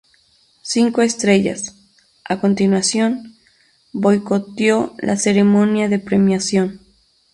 Cinco Estrellas, a continuación, boicoteó la ceremonia de premiación.